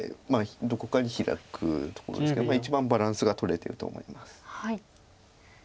どこかにヒラくところですけど一番バランスがとれてると思います。